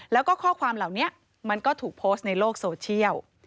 แล้วก็ข้อความเหล่านี้มันก็ถูกโพสต์ในโลกโซเชียล